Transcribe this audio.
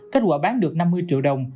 kết quả bán được năm mươi triệu đồng